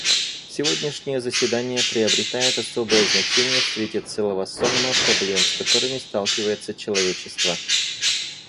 Сегодняшнее заседание приобретает особое значение в свете целого сонма проблем, с которыми сталкивается человечество.